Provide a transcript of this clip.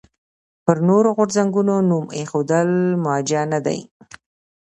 پر نورو غورځنګونو نوم ایښودل موجه نه دي.